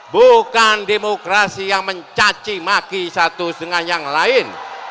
bukan demokrasi yang mencacimaki satu dengan yang lain